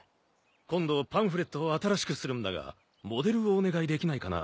今度パンフレットを新しくするんだがモデルをお願いできないかな？